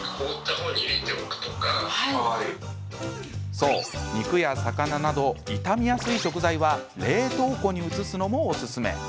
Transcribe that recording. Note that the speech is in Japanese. そう、肉や魚など傷みやすい食材は冷凍庫に移すのも、おすすめ。